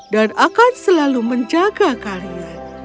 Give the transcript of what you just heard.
dan akan selalu menjaga kalian